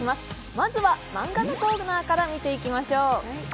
まずはマンガのコーナーから見ていきましょう